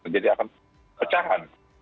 jadi akan pecahan